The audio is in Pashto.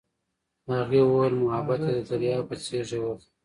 هغې وویل محبت یې د دریا په څېر ژور دی.